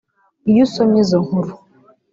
Iyo usomye izo nkuru